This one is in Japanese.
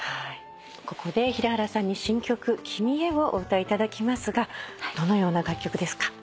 ここで平原さんに新曲『キミへ』をお歌いいただきますがどのような楽曲ですか？